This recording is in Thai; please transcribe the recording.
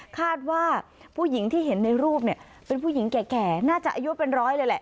คาดว่าผู้หญิงที่เห็นในรูปเนี่ยเป็นผู้หญิงแก่น่าจะอายุเป็นร้อยเลยแหละ